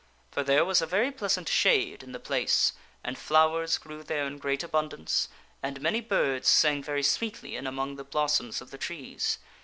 For there was a very pleasant shade in the place, and flowers grew there in great abundance, and many birds sang very sweetly in among the blossoms of the trees.